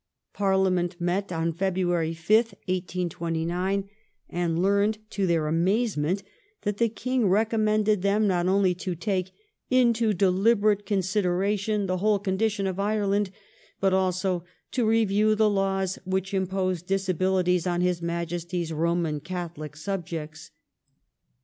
Catholic Parliament met on February 5th, 1829, and leamt to their amazement that the King recommended them not only to take " into deliberate consideration the whole condition of Ireland," but also " to review the laws which impose disabilities on His Majesty's Roman Catholic subjects *'.